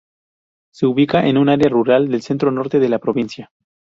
Se ubica en un área rural del centro-norte de la provincia.